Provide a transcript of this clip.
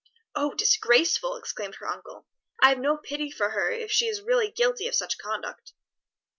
"O disgraceful!" exclaimed her uncle. "I have no pity for her if she is really guilty of such conduct."